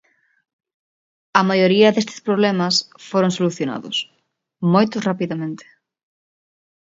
A maioría destes problemas foron solucionados, moitos rapidamente.